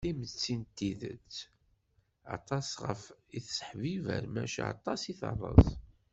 Timetti d tidet aṭas i ɣef tesseḥbiber maca aṭas i terreẓ.